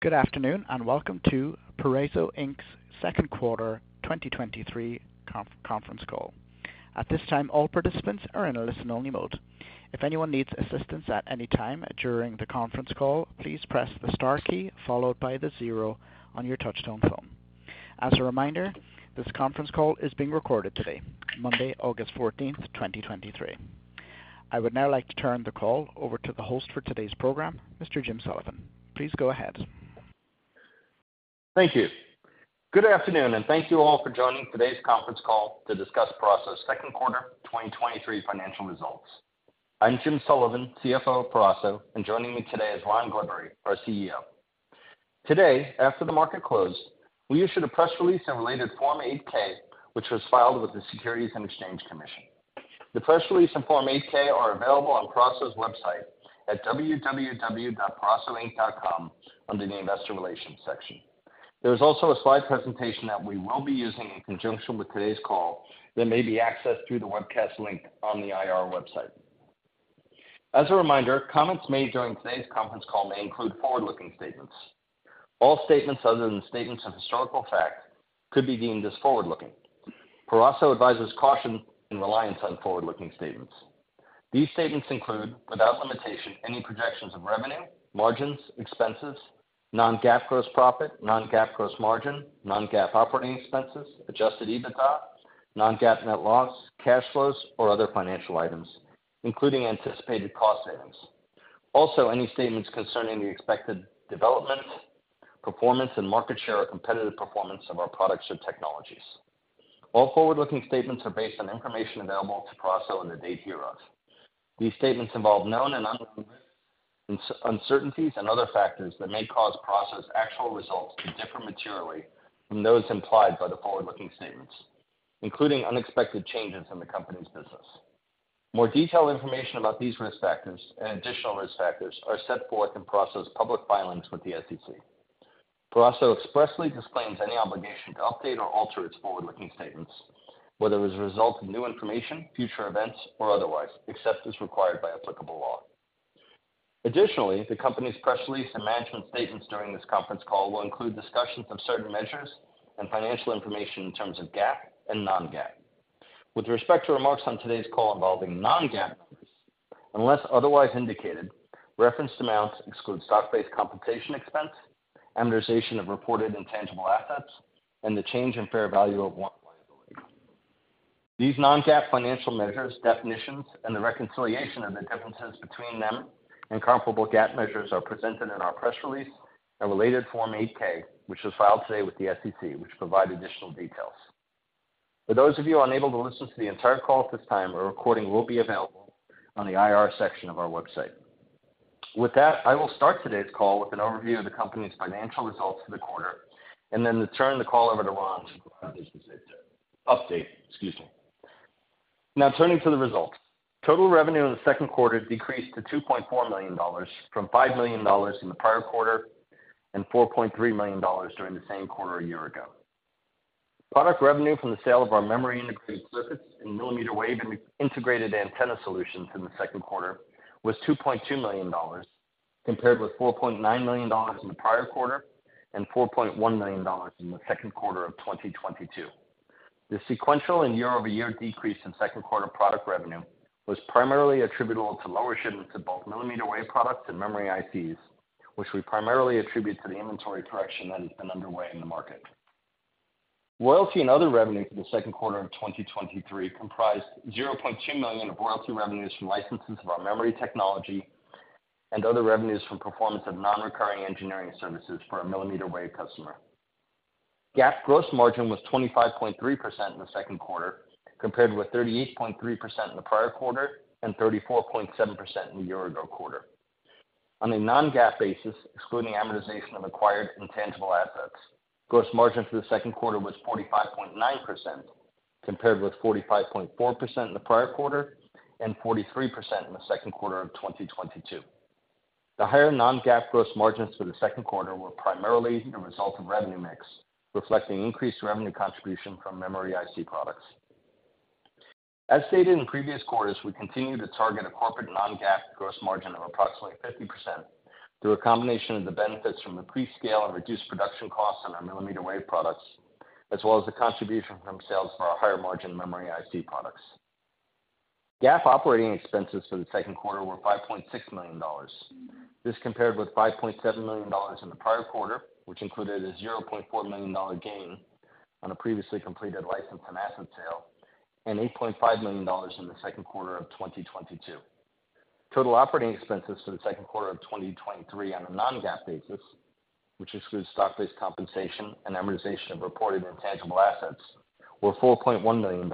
Good afternoon, welcome to Peraso Inc.'s Q2 2023 conference call. At this time, all participants are in a listen-only mode. If anyone needs assistance at any time during the conference call, please press the star key, followed by the zero on your touchtone phone. As a reminder, this conference call is being recorded today, Monday, August 14th, 2023. I would now like to turn the call over to the host for today's program, Mr. Jim Sullivan. Please go ahead. Thank you. Good afternoon, and thank you all for joining today's conference call to discuss Peraso's second quarter 2023 financial results. I'm Jim Sullivan, CFO of Peraso, and joining me today is Ron Glibbery, our CEO. Today, after the market closed, we issued a press release and related Form 8-K, which was filed with the Securities and Exchange Commission. The press release and Form 8-K are available on Peraso's website at www.perasoinc.com, under the Investor Relations section. There's also a slide presentation that we will be using in conjunction with today's call that may be accessed through the webcast link on the IR website. As a reminder, comments made during today's conference call may include forward-looking statements. All statements other than statements of historical fact could be deemed as forward-looking. Peraso advises caution in reliance on forward-looking statements. These statements include, without limitation, any projections of revenue, margins, expenses, Non-GAAP gross profit, Non-GAAP gross margin, Non-GAAP operating expenses, Adjusted EBITDA, Non-GAAP net loss, cash flows, or other financial items, including anticipated cost savings. Also, any statements concerning the expected development, performance, and market share, or competitive performance of our products or technologies. All forward-looking statements are based on information available to Peraso in the date hereof. These statements involve known and unknown risks, uncertainties, and other factors that may cause Peraso's actual results to differ materially from those implied by the forward-looking statements, including unexpected changes in the company's business. More detailed information about these risk factors and additional risk factors are set forth in Peraso's public filings with the SEC. Peraso expressly disclaims any obligation to update or alter its forward-looking statements, whether as a result of new information, future events, or otherwise, except as required by applicable law. Additionally, the company's press release and management statements during this conference call will include discussions of certain measures and financial information in terms of GAAP and Non-GAAP. With respect to remarks on today's call involving Non-GAAP numbers, unless otherwise indicated, referenced amounts exclude stock-based compensation expense, amortization of reported intangible assets, and the change in fair value of warrant liability. These Non-GAAP financial measures, definitions, and the reconciliation of the differences between them and comparable GAAP measures are presented in our press release and related Form 8-K, which was filed today with the SEC, which provide additional details. For those of you unable to listen to the entire call at this time, a recording will be available on the IR section of our website. With that, I will start today's call with an overview of the company's financial results for the quarter, and then to turn the call over to Ron. Excuse me. Now, turning to the results. Total revenue in the second quarter decreased to $2.4 million from $5 million in the prior quarter and $4.3 million during the same quarter a year ago. Product revenue from the sale of our memory-integrated circuits and millimeter wave integrated antenna solutions in the second quarter was $2.2 million, compared with $4.9 million in the prior quarter and $4.1 million in the second quarter of 2022. The sequential and year-over-year decrease in second quarter product revenue was primarily attributable to lower shipments of both mmWave products and memory ICs, which we primarily attribute to the inventory correction underway in the market. Royalty and other revenue for the second quarter of 2023 comprised $0.2 million of royalty revenues from licenses of our memory technology and other revenues from performance of non-recurring engineering services for a mmWave customer. GAAP gross margin was 25.3% in the second quarter, compared with 38.3% in the prior quarter and 34.7% in the year-ago quarter. On a Non-GAAP basis, excluding amortization of acquired intangible assets, gross margin for the second quarter was 45.9%, compared with 45.4% in the prior quarter and 43% in the second quarter of 2022. The higher Non-GAAP gross margins for the second quarter were primarily a result of revenue mix, reflecting increased revenue contribution from memory IC products. As stated in previous quarters, we continue to target a corporate Non-GAAP gross margin of approximately 50% through a combination of the benefits from increased scale and reduced production costs on our mmWave products, as well as the contribution from sales of our higher-margin memory IC products. GAAP operating expenses for the second quarter were $5.6 million. This compared with $5.7 million in the prior quarter, which included a $0.4 million gain on a previously completed license and asset sale, and $8.5 million in the second quarter of 2022. Total operating expenses for the second quarter of 2023 on a Non-GAAP basis, which excludes stock-based compensation and amortization of reported intangible assets, were $4.1 million,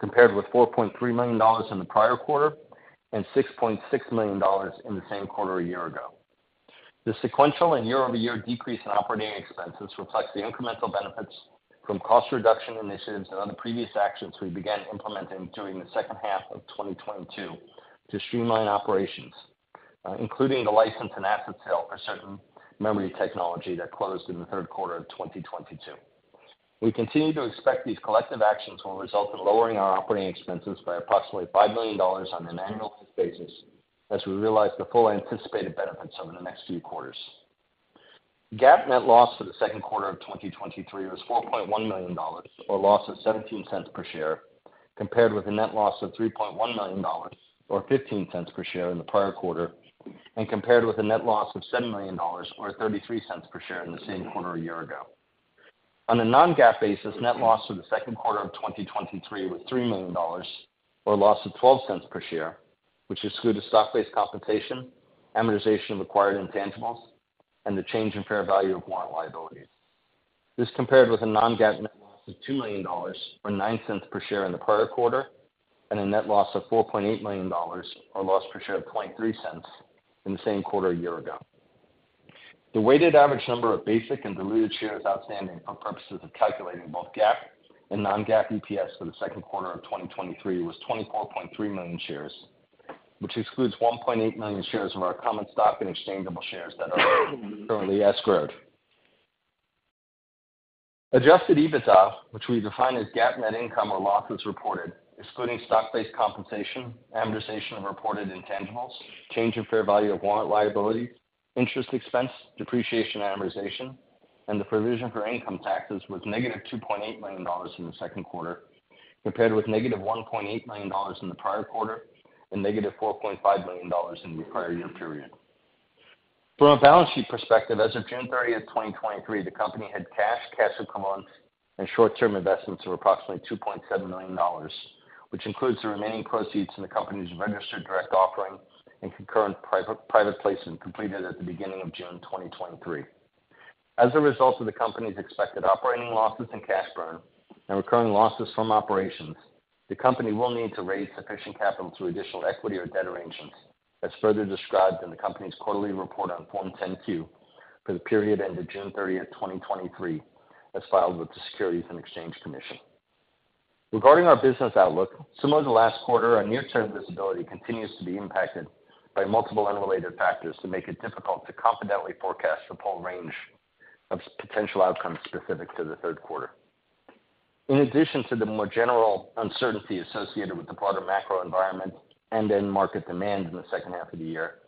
compared with $4.3 million in the prior quarter and $6.6 million in the same quarter a year ago. The sequential and year-over-year decrease in operating expenses reflects the incremental benefits from cost reduction initiatives and other previous actions we began implementing during the second half of 2022 to streamline operations, including the license and asset sale for certain memory technology that closed in the third quarter of 2022. We continue to expect these collective actions will result in lowering our operating expenses by approximately $5 million on an annual basis as we realize the full anticipated benefits over the next few quarters. GAAP net loss for the second quarter of 2023 was $4.1 million, or a loss of $0.17 per share, compared with a net loss of $3.1 million, or $0.15 per share in the prior quarter, and compared with a net loss of $7 million, or $0.33 per share in the same quarter a year ago. On a Non-GAAP basis, net loss for the second quarter of 2023 was $3 million, or a loss of $0.12 per share, which excluded stock-based compensation, amortization of acquired intangibles, and the change in fair value of warrant liability. This compared with a Non-GAAP net loss of $2 million, or $0.09 per share in the prior quarter, and a net loss of $4.8 million, or loss per share of $0.003 in the same quarter a year ago. The weighted average number of basic and diluted shares outstanding for purposes of calculating both GAAP and Non-GAAP EPS for the second quarter of 2023 was 24.3 million shares, which excludes 1.8 million shares of our common stock and exchangeable shares that are currently escrowed. Adjusted EBITDA, which we define as GAAP net income or loss as reported, excluding stock-based compensation, amortization of reported intangibles, change in fair value of warrant liability, interest expense, depreciation, and amortization, and the provision for income taxes was -$2.8 million in the second quarter, compared with -$1.8 million in the prior quarter and -$4.5 million in the prior year period. From a balance sheet perspective, as of June 30, 2023, the company had cash, cash equivalents, and short-term investments of approximately $2.7 million, which includes the remaining proceeds in the company's registered direct offerings and concurrent private, private placement completed at the beginning of June 2023. As a result of the company's expected operating losses and cash burn and recurring losses from operations, the company will need to raise sufficient capital through additional equity or debt arrangements, as further described in the company's quarterly report on Form 10-Q for the period ended June 30th, 2023, as filed with the Securities and Exchange Commission. Regarding our business outlook, similar to last quarter, our near-term visibility continues to be impacted by multiple unrelated factors that make it difficult to confidently forecast the full range of potential outcomes specific to the third quarter. In addition to the more general uncertainty associated with the broader macro environment and end market demand in the second half of the year,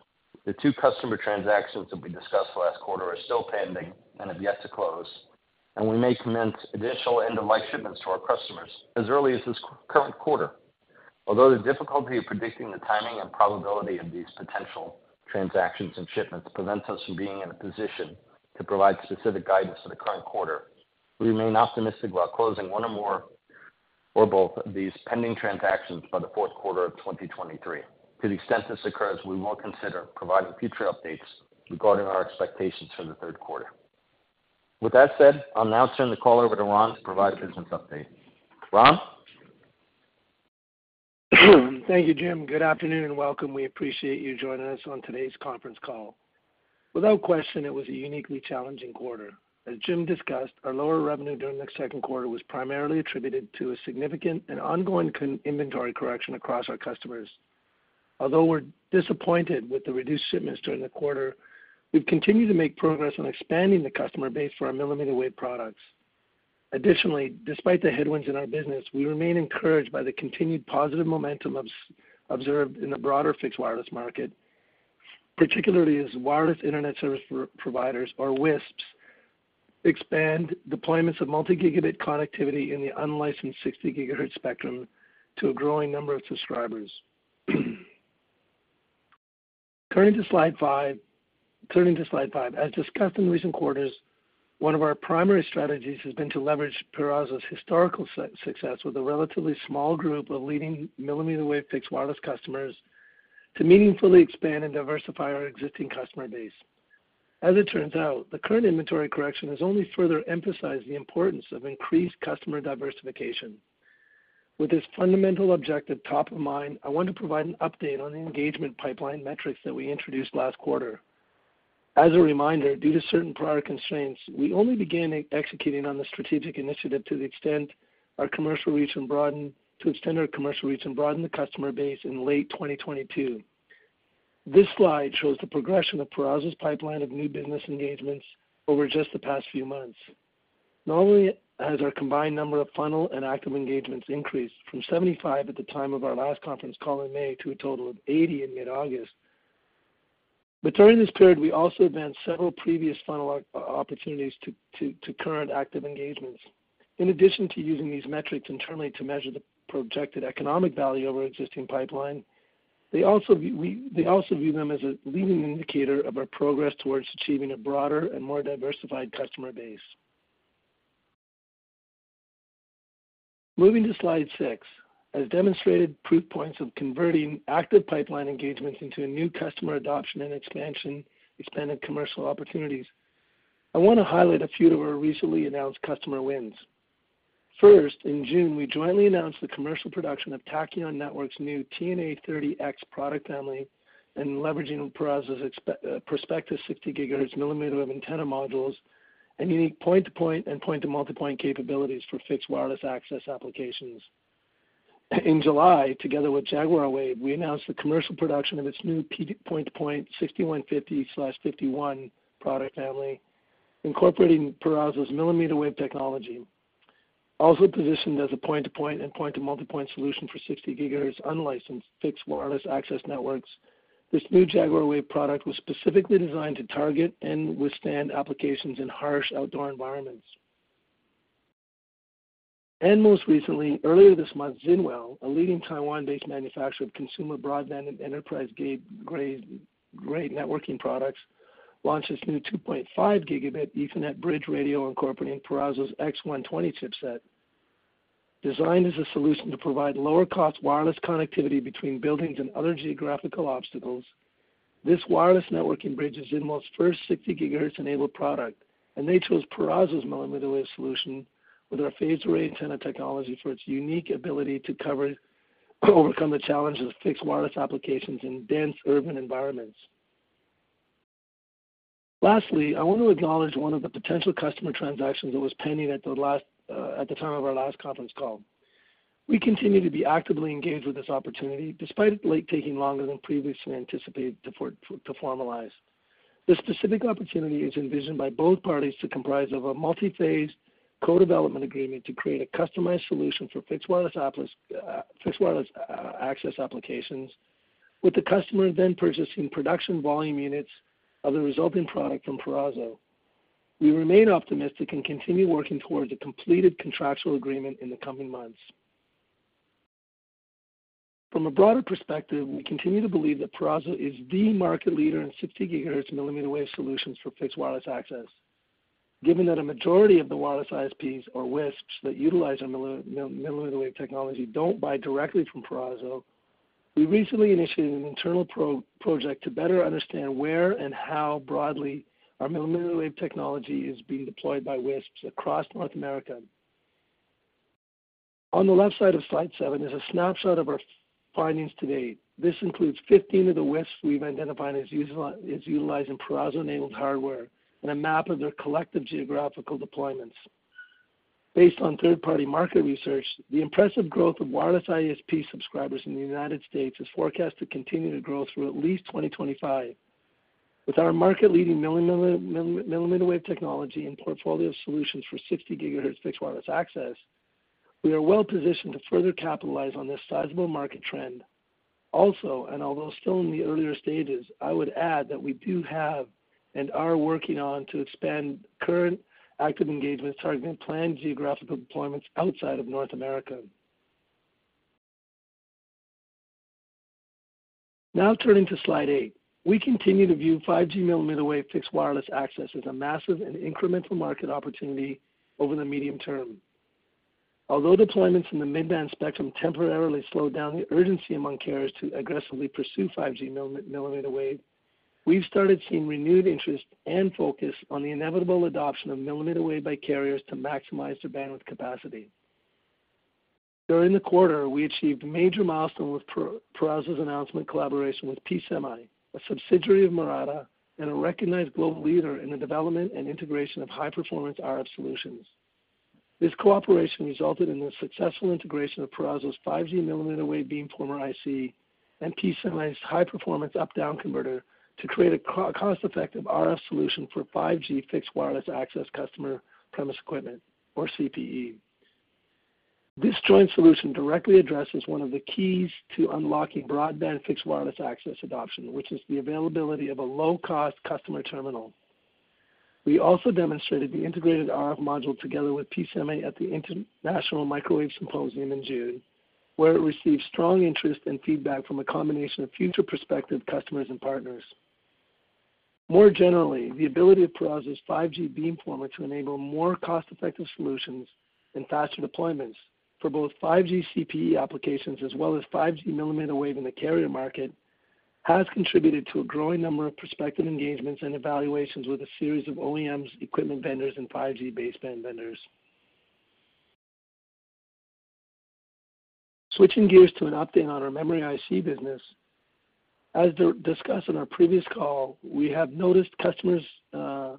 the two customer transactions that we discussed last quarter are still pending and have yet to close, and we may commence additional end-of-life shipments to our customers as early as this current quarter. Although the difficulty of predicting the timing and probability of these potential transactions and shipments prevents us from being in a position to provide specific guidance for the current quarter, we remain optimistic about closing one or more or both of these pending transactions by the fourth quarter of 2023. To the extent this occurs, we will consider providing future updates regarding our expectations for the third quarter. With that said, I'll now turn the call over to Ron to provide the business update. Ron? Thank you, Jim. Good afternoon, and welcome. We appreciate you joining us on today's conference call. Without question, it was a uniquely challenging quarter. As Jim discussed, our lower revenue during the 2nd quarter was primarily attributed to a significant and ongoing inventory correction across our customers. Although we're disappointed with the reduced shipments during the quarter, we've continued to make progress on expanding the customer base for our millimeter wave products. Additionally, despite the headwinds in our business, we remain encouraged by the continued positive momentum observed in the broader fixed wireless market, particularly as wireless internet service providers, or WISPs, expand deployments of multi-gigabit connectivity in the unlicensed 60 GHz spectrum to a growing number of subscribers. Turning to Slide five. Turning to Slide five. As discussed in recent quarters, one of our primary strategies has been to leverage Peraso's historical success with a relatively small group of leading mmWave fixed wireless customers to meaningfully expand and diversify our existing customer base. As it turns out, the current inventory correction has only further emphasized the importance of increased customer diversification. With this fundamental objective top of mind, I want to provide an update on the engagement pipeline metrics that we introduced last quarter. As a reminder, due to certain prior constraints, we only began executing on this strategic initiative to the extent our commercial reach and to extend our commercial reach and broaden the customer base in late 2022. This slide shows the progression of Peraso's pipeline of new business engagements over just the past few months. Not only has our combined number of funnel and active engagements increased from 75 at the time of our last conference call in May to a total of 80 in mid-August. During this period, we also advanced several previous funnel opportunities to current active engagements. In addition to using these metrics internally to measure the projected economic value of our existing pipeline, we also view them as a leading indicator of our progress towards achieving a broader and more diversified customer base. Moving to Slide 6. As demonstrated proof points of converting active pipeline engagements into a new customer adoption and expansion, expanded commercial opportunities, I want to highlight a few of our recently announced customer wins. First, in June, we jointly announced the commercial production of Tachyon Networks' new TNA-30X product family leveraging Peraso's Perspectus 60 GHz mmWave antenna modules and unique point-to-point and point-to-multipoint capabilities for fixed wireless access applications. in July, together with Jaguar Wave, we announced the commercial production of its new JW-PTP6150/51 product family, incorporating Peraso's mmWave technology. Also positioned as a point-to-point and point-to-multipoint solution for 60 GHz unlicensed fixed wireless access networks. This new Jaguar Wave product was specifically designed to target and withstand applications in harsh outdoor environments. Most recently, earlier this month, Zinwell, a leading Taiwan-based manufacturer of consumer, broadband, and enterprise-grade networking products, launched its new 2.5 Gigabit Ethernet bridge radio incorporating Peraso's X120 chipset. Designed as a solution to provide lower-cost wireless connectivity between buildings and other geographical obstacles, this wireless networking bridge is Zinwell's first 60 GHz-enabled product. They chose Peraso's mmWave solution with our phased array antenna technology for its unique ability to overcome the challenges of fixed wireless applications in dense urban environments. Lastly, I want to acknowledge one of the potential customer transactions that was pending at the last, at the time of our last conference call. We continue to be actively engaged with this opportunity, despite it taking longer than previously anticipated to formalize. This specific opportunity is envisioned by both parties to comprise of a multi-phase co-development agreement to create a customized solution for fixed wireless applica, fixed wireless access applications, with the customer then purchasing production volume units of the resulting product from Peraso. We remain optimistic and continue working towards a completed contractual agreement in the coming months. From a broader perspective, we continue to believe that Peraso is the market leader in 60 GHz mmWave solutions for fixed wireless access. Given that a majority of the wireless ISPs or WISPs that utilize our mmWave technology don't buy directly from Peraso, we recently initiated an internal project to better understand where and how broadly our mmWave technology is being deployed by WISPs across North America. On the left side of slide 7 is a snapshot of our findings to date. This includes 15 of the WISPs we've identified as utilizing Peraso-enabled hardware and a map of their collective geographical deployments. Based on third-party market research, the impressive growth of wireless ISP subscribers in the United States is forecast to continue to grow through at least 2025. With our market-leading mmWave technology and portfolio of solutions for 60 GHz fixed wireless access, we are well positioned to further capitalize on this sizable market trend. Although still in the earlier stages, I would add that we do have and are working on to expand current active engagements targeting planned geographical deployments outside of North America. Turning to slide 8. We continue to view 5G mmWave fixed wireless access as a massive and incremental market opportunity over the medium term. Although deployments in the mid-band spectrum temporarily slowed down the urgency among carriers to aggressively pursue 5G millimeter wave, we've started seeing renewed interest and focus on the inevitable adoption of millimeter wave by carriers to maximize their bandwidth capacity. During the quarter, we achieved a major milestone with Peraso's announcement collaboration with pSemi, a subsidiary of Murata and a recognized global leader in the development and integration of high-performance RF solutions. This cooperation resulted in the successful integration of Peraso's 5G millimeter wave beamformer IC and pSemi's high-performance up/down converter to create a cost-effective RF solution for 5G fixed wireless access Customer Premises Equipment, or CPE. This joint solution directly addresses one of the keys to unlocking broadband fixed wireless access adoption, which is the availability of a low-cost customer terminal. We also demonstrated the integrated RF module together with pSemi at the International Microwave Symposium in June, where it received strong interest and feedback from a combination of future prospective customers and partners. More generally, the ability of Peraso's 5G beamformer to enable more cost-effective solutions and faster deployments for both 5G CPE applications as well as 5G mmWave in the carrier market, has contributed to a growing number of prospective engagements and evaluations with a series of OEMs, equipment vendors, and 5G baseband vendors. Switching gears to an update on our memory IC business. As discussed on our previous call, we have notified customers of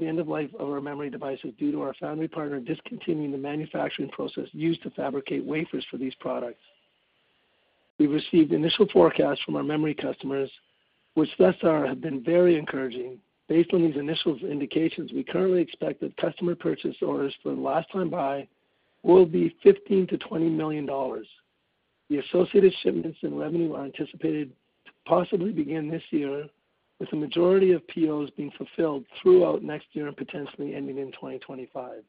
the end of life of our memory devices due to our foundry partner discontinuing the manufacturing process used to fabricate wafers for these products. We've received initial forecasts from our memory customers, which thus far have been very encouraging. Based on these initial indications, we currently expect that customer purchase orders for the last-time-buy will be $15 -20 million. The associated shipments and revenue are anticipated to possibly begin this year, with the majority of POs being fulfilled throughout next year and potentially ending in 2025.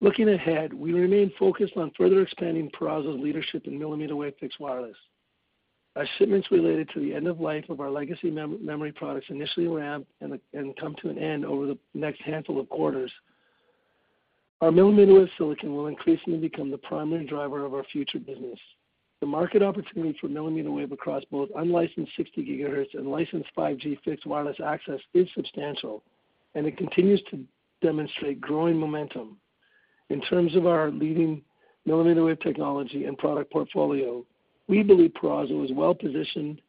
Looking ahead, we remain focused on further expanding Peraso's leadership in millimeter wave fixed wireless. Our shipments related to the end of life of our legacy memory products initially ramped and come to an end over the next handful of quarters. Our millimeter wave silicon will increasingly become the primary driver of our future business. The market opportunity for millimeter wave across both unlicensed 60 GHz and licensed 5G fixed wireless access is substantial, and it continues to demonstrate growing momentum. In terms of our leading millimeter wave technology and product portfolio, we believe Peraso is well-positioned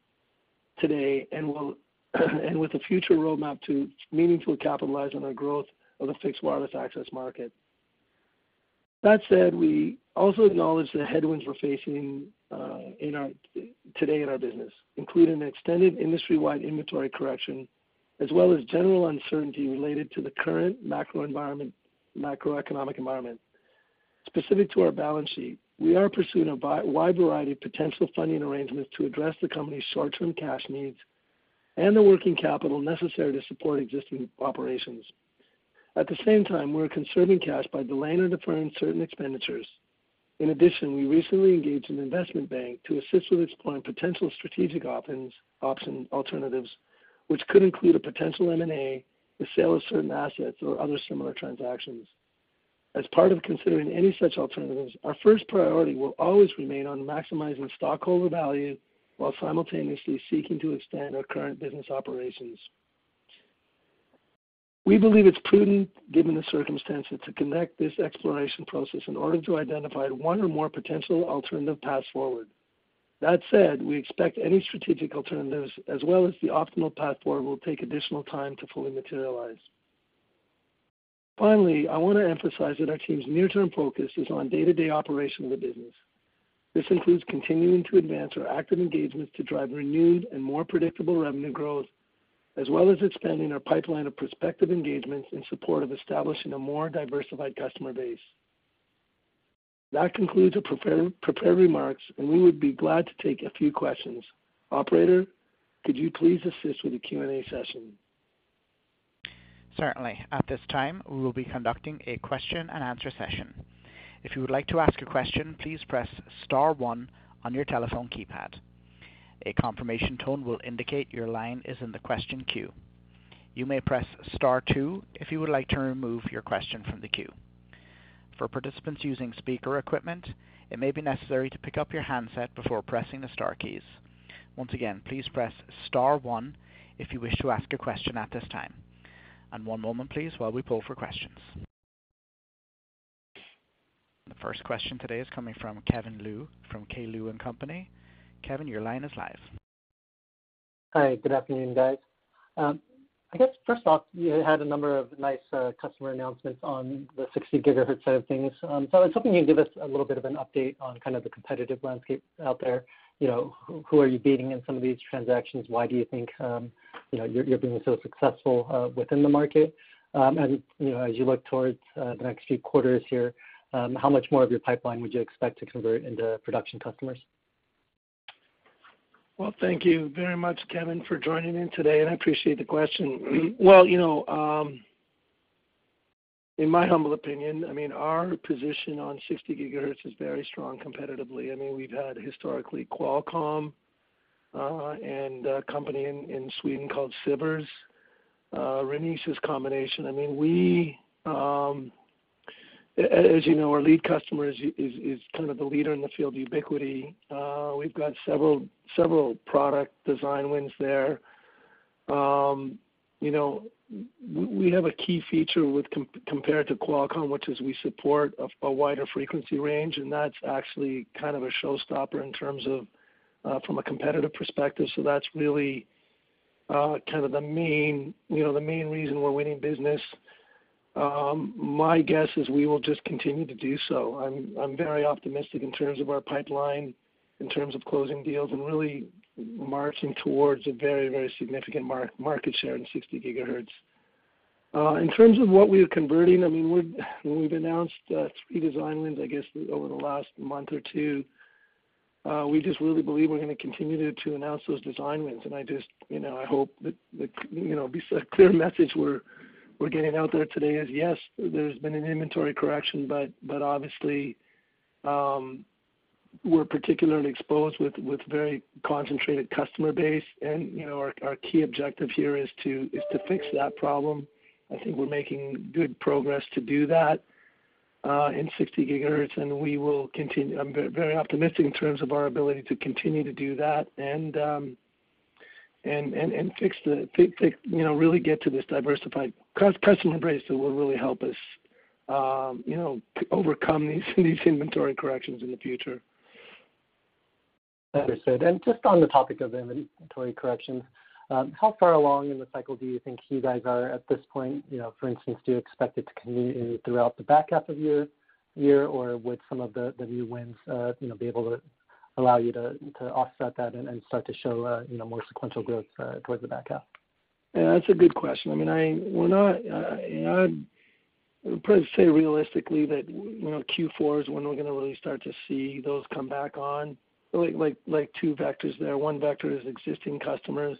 today and will, and with a future roadmap to meaningfully capitalize on our growth of the fixed wireless access market. That said, we also acknowledge the headwinds we're facing today in our business, including an extended industry-wide inventory correction, as well as general uncertainty related to the current macro environment, macroeconomic environment. Specific to our balance sheet, we are pursuing a wide variety of potential funding arrangements to address the company's short-term cash needs and the working capital necessary to support existing operations. At the same time, we're conserving cash by delaying or deferring certain expenditures. In addition, we recently engaged an investment bank to assist with exploring potential strategic options, option alternatives, which could include a potential M&A, the sale of certain assets, or other similar transactions. As part of considering any such alternatives, our first priority will always remain on maximizing stockholder value, while simultaneously seeking to expand our current business operations. We believe it's prudent, given the circumstances, to conduct this exploration process in order to identify one or more potential alternative paths forward. That said, we expect any strategic alternatives as well as the optimal path forward, will take additional time to fully materialize. Finally, I wanna emphasize that our team's near-term focus is on day-to-day operation of the business. This includes continuing to advance our active engagements to drive renewed and more predictable revenue growth, as well as expanding our pipeline of prospective engagements in support of establishing a more diversified customer base. That concludes the prepared remarks. We would be glad to take a few questions. Operator, could you please assist with the Q&A session? Certainly. At this time, we will be conducting a question and answer session. If you would like to ask a question, please press star one on your telephone keypad. A confirmation tone will indicate your line is in the question queue. You may press star two if you would like to remove your question from the queue. For participants using speaker equipment, it may be necessary to pick up your handset before pressing the star keys. Once again, please press star one if you wish to ask a question at this time. One moment, please, while we poll for questions. The first question today is coming from Kevin Liu, from K. Liu & Company. Kevin, your line is live. Hi, good afternoon, guys. I guess first off, you had a number of nice customer announcements on the 60 GHz side of things. I was hoping you could give us a little bit of an update on kind of the competitive landscape out there. You know, who, who are you beating in some of these transactions? Why do you think, you know, you're, you're being so successful within the market? You know, as you look towards the next few quarters here, how much more of your pipeline would you expect to convert into production customers? Well, thank you very much, Kevin, for joining in today, and I appreciate the question. Well, you know, in my humble opinion, I mean, our position on 60 GHz is very strong competitively. I mean, we've had historically Qualcomm and a company in Sweden called Sivers-Renesas combination. I mean, we, as you know, our lead customer is, is, is kind of the leader in the field, Ubiquiti. We've got several, several product design wins there. You know, we have a key feature with compared to Qualcomm, which is we support a wider frequency range, and that's actually kind of a showstopper in terms of from a competitive perspective. That's really kind of the main, you know, the main reason we're winning business. My guess is we will just continue to do so. I'm very optimistic in terms of our pipeline, in terms of closing deals and really marching towards a very, very significant market share in 60 GHz. In terms of what we are converting, I mean, we're, we've announced three design wins, I guess, over the last month or two. We just really believe we're gonna continue to announce those design wins, and I just, you know, I hope that the, you know, be a clear message we're, we're getting out there today is, yes, there's been an inventory correction, but obviously, we're particularly exposed with, with very concentrated customer base, and, you know, our, our key objective here is to, is to fix that problem. I think we're making good progress to do that in 60 GHz, and we will continue... I'm very optimistic in terms of our ability to continue to do that and, and, and, and fix the, fix, fix, you know, really get to this diversified, because Peraso mmWave will really help us, you know, overcome these, these inventory corrections in the future. Understood. Just on the topic of inventory correction, how far along in the cycle do you think you guys are at this point? You know, for instance, do you expect it to continue throughout the back half of your year, or would some of the, the new wins, you know, be able to allow you to, to offset that and, and start to show, you know, more sequential growth, towards the back half? Yeah, that's a good question. I mean, we're not, I'd probably say realistically that, you know, Q4 is when we're gonna really start to see those come back on. Like two vectors there. One vector is existing customers,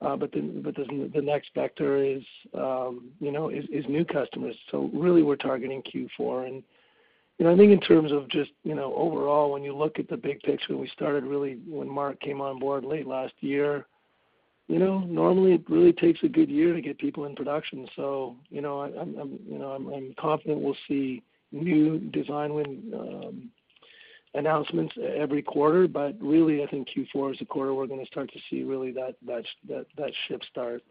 but the next vector is, you know, is new customers. Really, we're targeting Q4. You know, I think in terms of just, you know, overall, when you look at the big picture, we started really when Mark came on board late last year, you know, normally it really takes a good year to get people in production. You know, I'm, I'm, you know, I'm, I'm confident we'll see new design win announcements every quarter, but really, I think Q4 is the quarter we're gonna start to see really that ship start.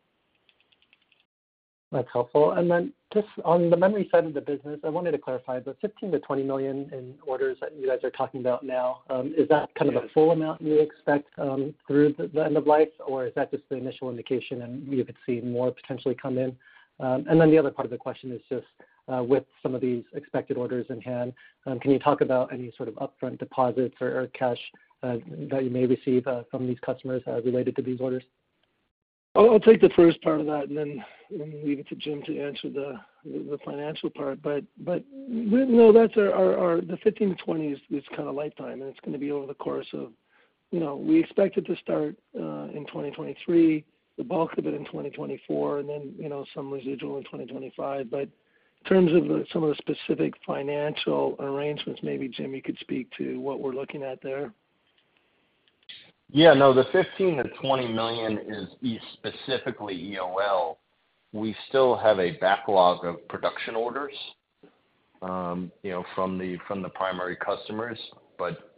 That's helpful. Then just on the memory side of the business, I wanted to clarify the $15 -20 million in orders that you guys are talking about now, is that kind of the full amount you expect through the end of life? Or is that just the initial indication, and you could see more potentially come in? Then the other part of the question is just with some of these expected orders in hand, can you talk about any sort of upfront deposits or, or cash that you may receive from these customers related to these orders? I'll take the first part of that and then leave it to Jim to answer the, the financial part. you know, that's our the 15-20 is kind of lifetime, and it's gonna be over the course of, you know, we expect it to start in 2023, the bulk of it in 2024, and then, you know, some residual in 2025. In terms of some of the specific financial arrangements, maybe Jim, you could speak to what we're looking at there. Yeah, no, the $15 -20 million is specifically EOL. We still have a backlog of production orders, you know, from the primary customers.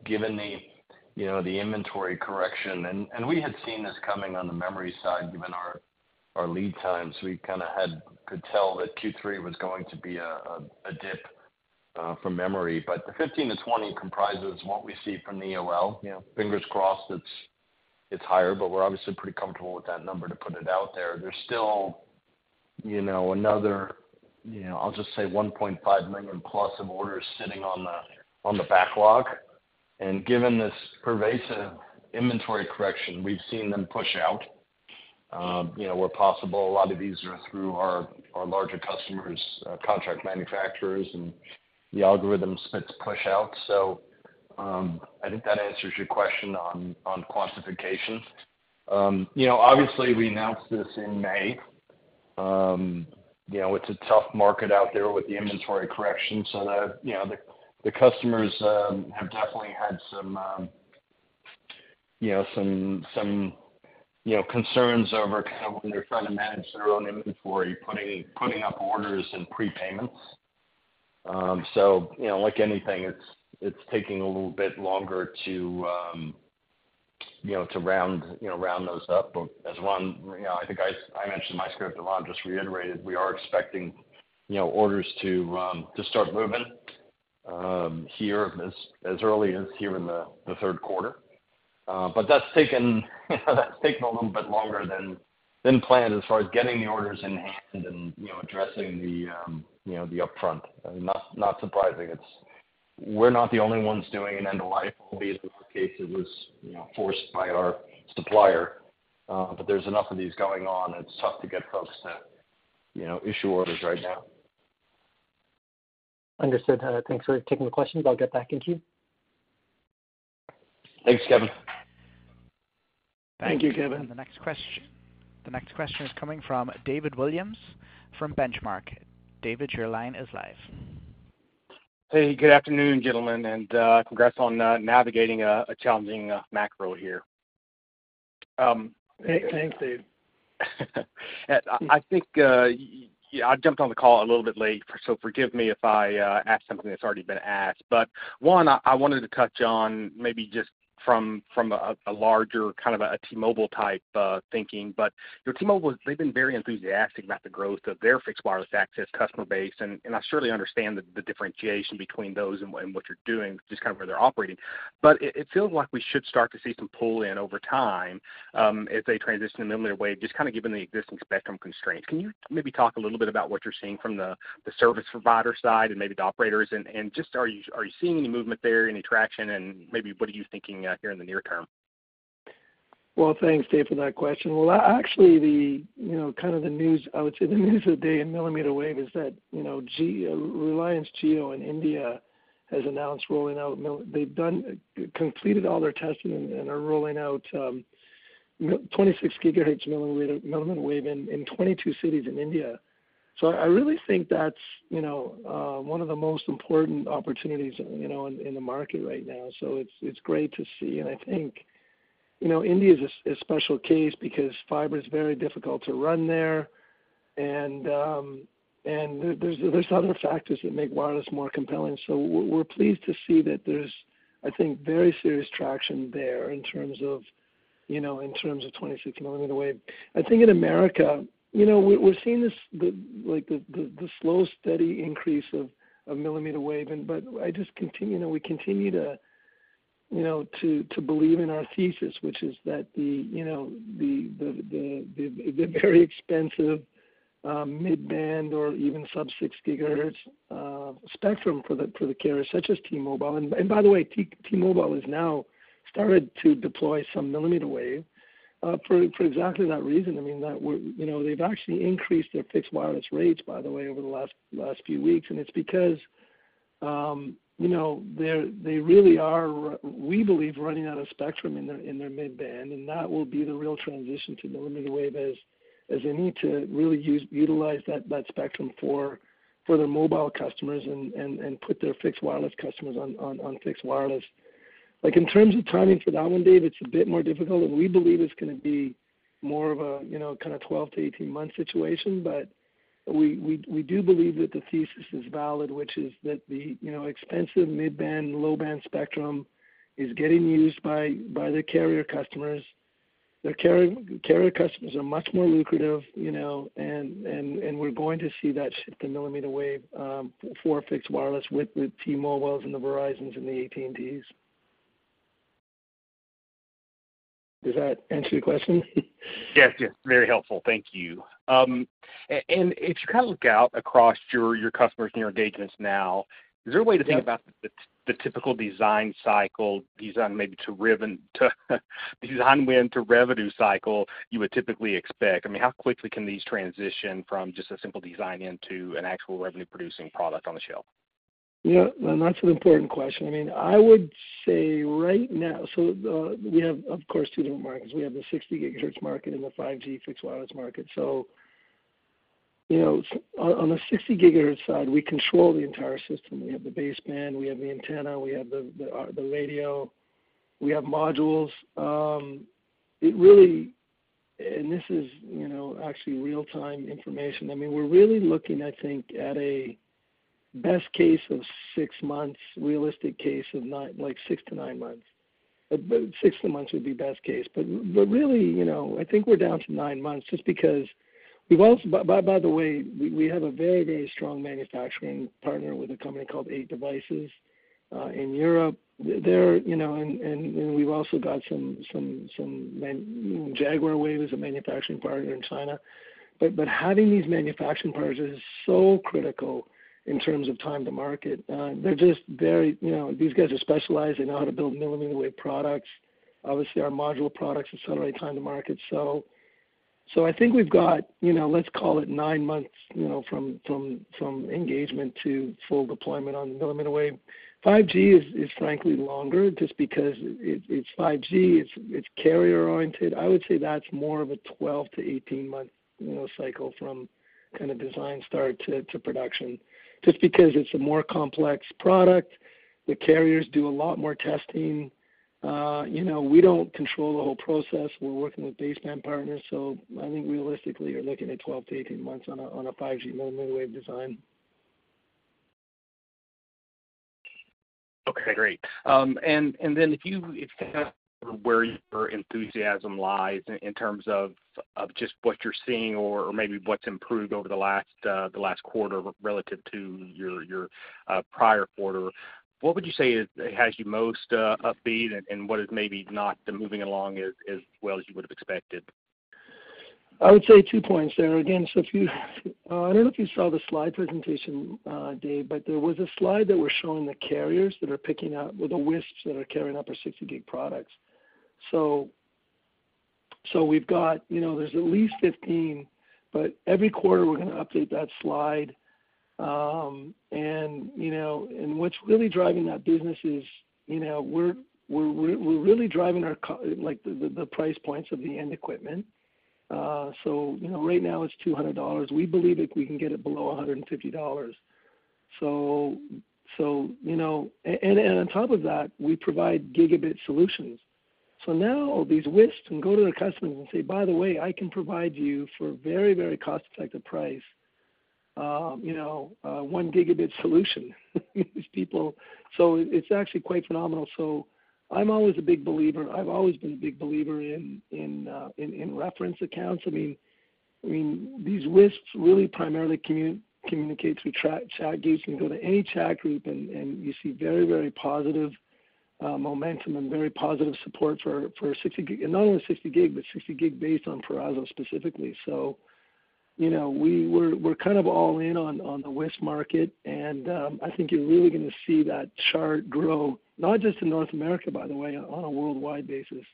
Given the, you know, the inventory correction, we had seen this coming on the memory side, given our lead times, we kind of could tell that Q3 was going to be a dip from memory. The $15 -20 million comprises what we see from the EOL. You know, fingers crossed, it's higher, but we're obviously pretty comfortable with that number to put it out there. There's still, you know, another, you know, I'll just say $1.5 million+ of orders sitting on the backlog. Given this pervasive inventory correction, we've seen them push out, you know, where possible. A lot of these are through our, our larger customers, contract manufacturers and the algorithms that push out. I think that answers your question on, on quantification. You know, obviously, we announced this in May. You know, it's a tough market out there with the inventory correction, so the, you know, the, the customers, have definitely had some, you know, some, some, you know, concerns over kind of when they're trying to manage their own inventory, putting, putting up orders and prepayments. You know, like anything, it's, it's taking a little bit longer to, you know, to round, you know, round those up. As Ron, you know, I think I, I mentioned in my script, and Ron just reiterated, we are expecting, you know, orders to start moving here as early as here in the Q3. That's taken, that's taken a little bit longer than planned, as far as getting the orders in hand and, you know, addressing the, you know, the upfront. I mean, not surprising. It's we're not the only ones doing an end-of-life. Obviously, in our case, it was, you know, forced by our supplier, but there's enough of these going on, it's tough to get folks to, you know, issue orders right now. Understood. Thanks for taking the questions. I'll get back into you. Thanks, Kevin. Thank you, Kevin. The next question is coming from David Williams from The Benchmark Company. David, your line is live. Hey, good afternoon, gentlemen, and congrats on navigating a challenging macro here. hey. Thanks, Dave. I think, yeah, I jumped on the call a little bit late, so forgive me if I ask something that's already been asked. One, I, I wanted to touch on maybe just from, from a, a larger, kind of a T-Mobile type thinking. You know, T-Mobile, they've been very enthusiastic about the growth of their fixed wireless access customer base, and, and I certainly understand the, the differentiation between those and what, and what you're doing, just kind of where they're operating. It, it feels like we should start to see some pull in over time, as they transition to mmWave, just kind of given the existing spectrum constraints. Can you maybe talk a little bit about what you're seeing from the, the service provider side and maybe the operators? And just are you, are you seeing any movement there, any traction? Maybe what are you thinking, here in the near term? Thanks, David, for that question. Actually, the, you know, kind of the news, I would say the news of the day in mmWave is that, you know, Reliance Jio in India has announced rolling out they've done, completed all their testing and, and are rolling out 26 GHz mmWave in 22 cities in India. I really think that's, you know, one of the most important opportunities, you know, in the market right now. It's, it's great to see. I think, you know, India is a special case because fiber is very difficult to run there. There, there's, there's other factors that make wireless more compelling. We're, we're pleased to see that there's, I think, very serious traction there in terms of, you know, in terms of 26 mmWave. I think in America, you know, we're seeing this, like, the slow, steady increase of millimeter wave. But I just continue, you know, we continue, you know, to believe in our thesis, which is that, you know, the very expensive mid-band or even sub six gigahertz spectrum for the carriers, such as T-Mobile. By the way, T-Mobile has now started to deploy some millimeter wave for exactly that reason. I mean, that we're, you know, they've actually increased their fixed wireless rates, by the way, over the last, last few weeks, and it's because, you know, they're, they really are, we believe, running out of spectrum in their, in their mid-band, and that will be the real transition to millimeter wave as, as they need to really utilize that, that spectrum for, for their mobile customers and put their fixed wireless customers on fixed wireless. Like, in terms of timing for that one, Dave, it's a bit more difficult, and we believe it's gonna be more of a, you know, kind of 12-18 month situation. We do believe that the thesis is valid, which is that the, you know, expensive mid-band, low-band spectrum is getting used by the carrier customers. Their carrier, carrier customers are much more lucrative, you know, and, and, and we're going to see that shift to millimeter wave for fixed wireless with the T-Mobiles and the Verizons and the AT&Ts. Does that answer your question? Yes, yes, very helpful. Thank you. If you kind of look out across your, your customers and your engagements now, is there a way to think about the, the typical design cycle, these on maybe to ribbon to, design win to revenue cycle you would typically expect? I mean, how quickly can these transition from just a simple design into an actual revenue-producing product on the shelf? Yeah, that's an important question. I mean, I would say right now, the, we have, of course, two different markets. We have the 60 GHz market and the 5G fixed wireless market. You know, on, on the 60 GHz side, we control the entire system. We have the baseband, we have the antenna, we have the, the, the radio, we have modules. It really, and this is, you know, actually real-time information. I mean, we're really looking, I think, at a best case of 6 months, realistic case of 9- like, 6-9 months. 6 months would be best case. Really, you know, I think we're down to 9 months just because we've also, by the way, we, we have a very, very strong manufacturing partner with a company called 8devices, in Europe. They're, you know, and, and, and we've also got some, some, some man- Jaguar Wave is a manufacturing partner in China. Having these manufacturing partners is so critical in terms of time to market. They're just very, you know, these guys are specialized in how to build millimeter wave products. Obviously, our modular products accelerate time to market. I think we've got, you know, let's call it nine months, you know, from, from, from engagement to full deployment on millimeter wave. 5G is, is frankly, longer, just because it, it's 5G, it's, it's carrier oriented. I would say that's more of a 12-18 month, you know, cycle from kind of design start to, to production, just because it's a more complex product. The carriers do a lot more testing. You know, we don't control the whole process. We're working with baseband partners, so I think realistically, you're looking at 12 to 18 months on a 5G millimeter wave design. Okay, great. If you have where your enthusiasm lies in terms of just what you're seeing or maybe what's improved over the last quarter relative to your prior quarter, what would you say has you most upbeat, and what is maybe not moving along as well as you would have expected? I would say two points there. Again, if you, I don't know if you saw the slide presentation, David, but there was a slide that we're showing the carriers that are picking up, or the WISPs that are carrying up our 60 GHz products. So we've got, you know, there's at least 15, but every quarter, we're gonna update that slide. And, you know, and what's really driving that business is, you know, we're, we're, we're really driving our co- like, the, the price points of the end equipment. So, you know, right now it's $200. We believe that we can get it below $150. So, you know, and, and on top of that, we provide gigabit solutions. Now these WISPs can go to their customers and say, "By the way, I can provide you for a very, very cost-effective price, you know, a 1 gigabit solution," these people. It's actually quite phenomenal. I'm always a big believer, I've always been a big believer in, in, in reference accounts. I mean, I mean, these WISPs really primarily communicates with chat, chat groups. You can go to any chat group and, and you see very, very positive, momentum and very positive support for, for 60 gig, and not only 60 gig, but 60 gig based on Peraso specifically. You know, we, we're, we're kind of all in on, on the WISP market, and, I think you're really gonna see that chart grow, not just in North America, by the way, on a worldwide basis.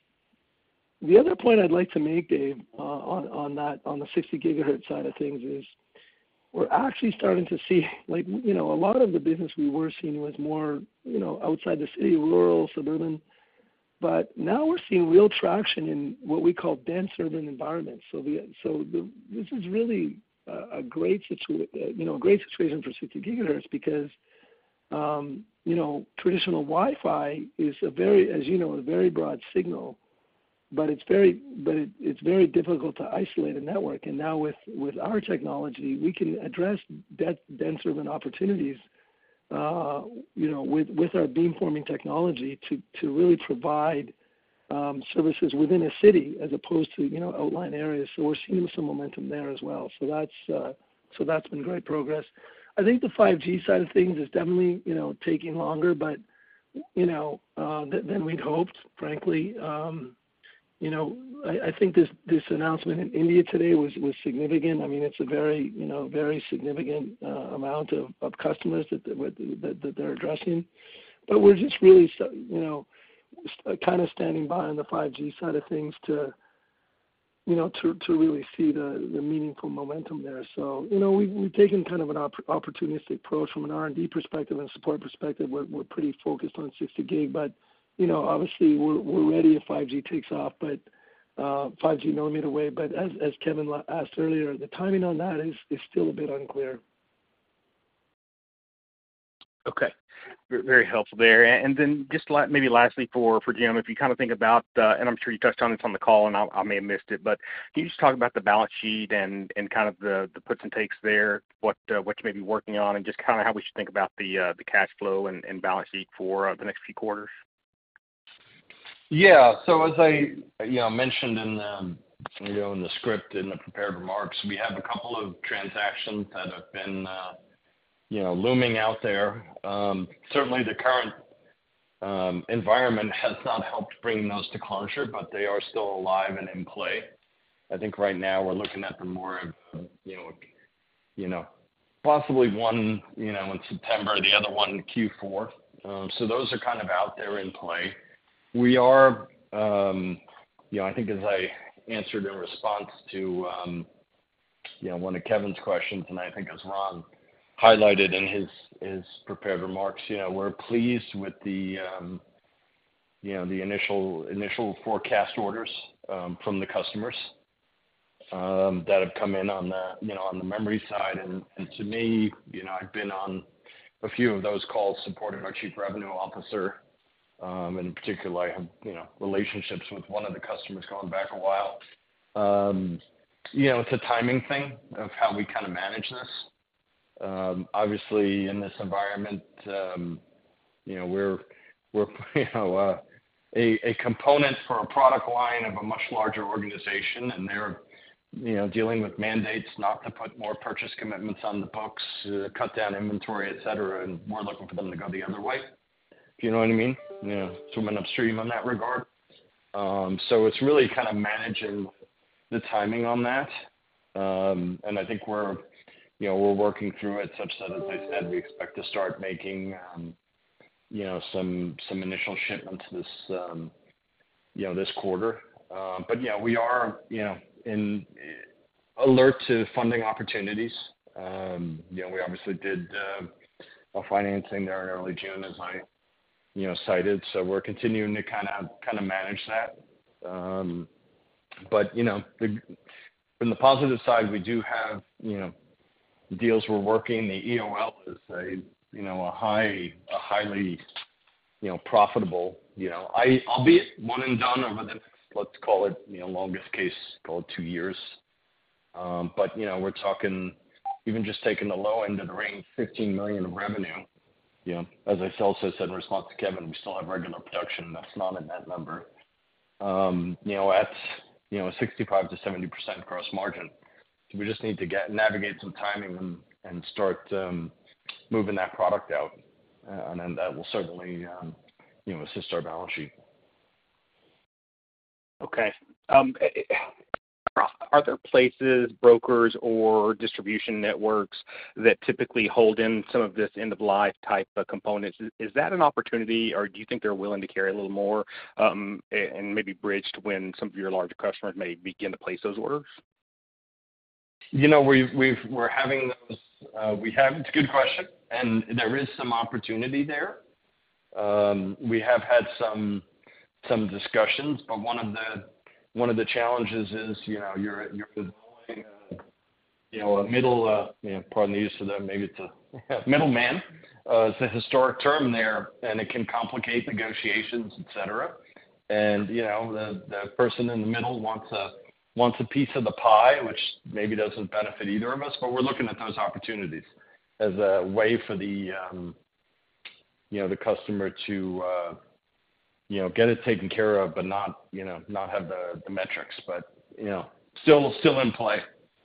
The other point I'd like to make, Dave, on, on that, on the 60 GHz side of things is, we're actually starting to see like, you know, a lot of the business we were seeing was more, you know, outside the city, rural, suburban. Now we're seeing real traction in what we call dense urban environments. This is really a, a great, you know, a great situation for 60 GHz because, you know, traditional Wi-Fi is a very, as you know, a very broad signal, but it's very difficult to isolate a network. Now with, with our technology, we can address denser urban opportunities, you know, with, with our beamforming technology to, to really provide services within a city as opposed to, you know, outlying areas. We're seeing some momentum there as well. That's, so that's been great progress. I think the 5G side of things is definitely, you know, taking longer, but, you know, than, than we'd hoped, frankly. You know, I, I think this, this announcement in India today was, was significant. I mean, it's a very, you know, very significant amount of, of customers that, with, that, that they're addressing. We're just really so- you know, kind of standing by on the 5G side of things to, you know, to, to really see the, the meaningful momentum there. You know, we've, we've taken kind of an op- opportunistic approach from an R&D perspective and a support perspective. We're, we're pretty focused on 60 GHz, but, you know, obviously, we're, we're ready if 5G takes off, but, 5G mmWave. As Kevin Liu asked earlier, the timing on that is, is still a bit unclear. Okay, very helpful there. And then just like maybe lastly for, for Jim, if you kind of think about, and I'm sure you touched on this on the call, and I, I may have missed it, but can you just talk about the balance sheet and, and kind of the, the puts and takes there, what you may be working on and just kind of how we should think about the cash flow and, and balance sheet for the next few quarters? Yeah. As I, you know, mentioned in the, you know, in the script, in the prepared remarks, we have two transactions that have been, you know, looming out there. Certainly, the current environment has not helped bring those to closure, but they are still alive and in play. I think right now we're looking at the more of, you know, possibly one, you know, in September, the other one in Q4. Those are kind of out there in play. We are, you know, I think as I answered in response to, you know, one of Kevin's questions, and I think as Ron highlighted in his, his prepared remarks, you know, we're pleased with the, you know, the initial, initial forecast orders, from the customers, that have come in on the, you know, on the memory side. To me, you know, I've been on a few of those calls supporting our Chief Revenue Officer, and in particular, I have, you know, relationships with one of the customers going back a while. You know, it's a timing thing of how we kind of manage this. obviously, in this environment, you know, we're, we're, you know, a, a component for a product line of a much larger organization, and they're, you know, dealing with mandates not to put more purchase commitments on the books, cut down inventory, et cetera, and we're looking for them to go the other way. Do you know what I mean? You know, swimming upstream in that regard. It's really kind of managing the timing on that. I think we're, you know, we're working through it such that, as I said, we expect to start making, you know, some, some initial shipments this, you know, this quarter. Yeah, we are, you know, alert to funding opportunities. You know, we obviously did a financing there in early June, as I, you know, cited, so we're continuing to kind of manage that. From the positive side, we do have, you know, deals we're working. The EOL is a highly profitable, albeit one and done over the next, let's call it, longest case, call it two years. We're talking, even just taking the low end of the range, $15 million of revenue, you know, as I also said in response to Kevin, we still have regular production. That's not a net number. You know, at 65%-70% gross margin. We just need to navigate some timing and start moving that product out, and then that will certainly, you know, assist our balance sheet. Okay. Are there places, brokers or distribution networks that typically hold in some of this end-of-life type of components? Is that an opportunity, or do you think they're willing to carry a little more, and maybe bridge to when some of your larger customers may begin to place those orders? You know, we're having those. It's a good question, and there is some opportunity there. We have had some discussions, but one of the, one of the challenges is, you know, you're, you're involving, you know, a middle, pardon the use of the maybe it's a middleman. It's a historic term there, and it can complicate negotiations, et cetera. You know, the, the person in the middle wants a piece of the pie, which maybe doesn't benefit either of us, but we're looking at those opportunities as a way for the, you know, the customer to, you know, get it taken care of, but not, you know, not have the, the metrics. You know, still in play.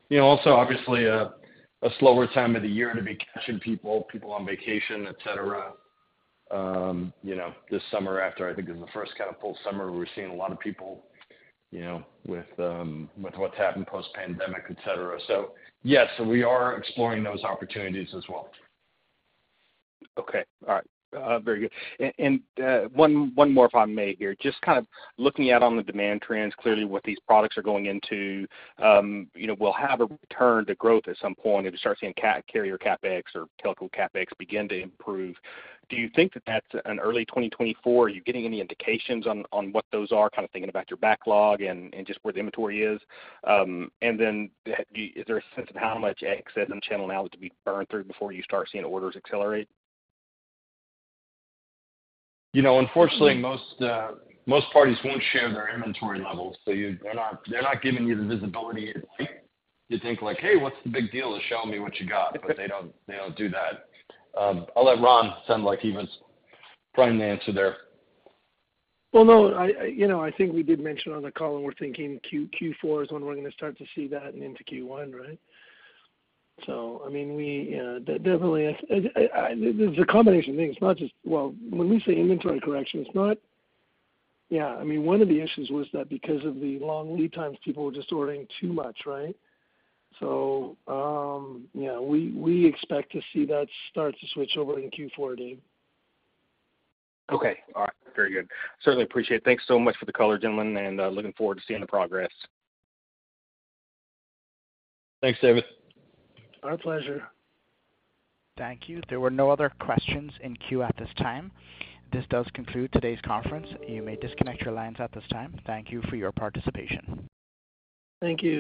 You know, also, obviously, a, a slower time of the year to be catching people, people on vacation, et cetera. You know, this summer after, I think, is the first kind of full summer, we're seeing a lot of people, you know, with, with what's happened post-pandemic, et cetera. Yes, we are exploring those opportunities as well. Okay. All right. Very good. One, one more, if I may here. Just kind of looking at on the demand trends, clearly what these products are going into, you know, we'll have a return to growth at some point if you start seeing carrier CapEx or telco CapEx begin to improve. Do you think that that's an early 2024? Are you getting any indications on, on what those are, kind of thinking about your backlog and, and just where the inventory is? Then, do you -- is there a sense of how much excess and channel now to be burned through before you start seeing orders accelerate? You know, unfortunately, most, most parties won't share their inventory levels, so they're not, they're not giving you the visibility you'd like. You'd think like: Hey, what's the big deal to show me what you got? They don't, they don't do that. I'll let Ron sound like he was prime the answer there. No, you know, I think we did mention on the call, and we're thinking Q4 is when we're going to start to see that and into Q1, right? I mean, we definitely, there's a combination of things. It's not just... When we say inventory correction, it's not, Yeah, I mean, one of the issues was that because of the long lead times, people were just ordering too much, right? Yeah, we, we expect to see that start to switch over in Q4, Dave. Okay. All right. Very good. Certainly appreciate it. Thanks so much for the call, gentlemen, and looking forward to seeing the progress. Thanks, David. Our pleasure. Thank you. There were no other questions in queue at this time. This does conclude today's conference. You may disconnect your lines at this time. Thank you for your participation. Thank you.